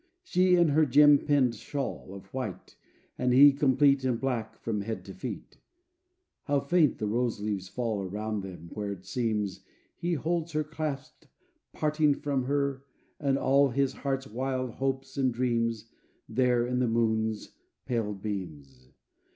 she, in her gem pinned shawl Of white; and he, complete In black from head to feet. How faint the rose leaves fall Around them where, it seems, He holds her clasped, parting from her and all His heart's wild hopes and dreams, There in the moon's pale beams!